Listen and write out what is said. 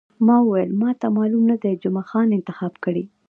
ما وویل، ما ته معلوم نه دی، جمعه خان انتخاب کړی.